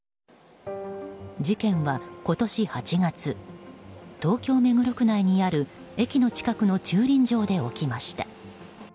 事件は今年８月東京・目黒区内にある駅の近くの駐輪場で起きました。